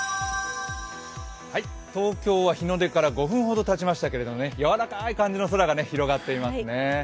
東京は日の出から５分ほどたちましたけどやわらかい感じの空が広がっていますね。